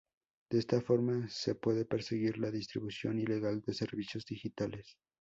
De esta forma se puede perseguir la distribución ilegal de servicios digitales.